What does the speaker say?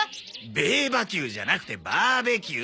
ベーバキューじゃなくてバーベキュー。